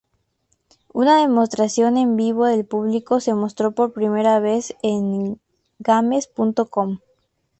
Una demostración en vivo del público se mostró por primera vez en "Games.com".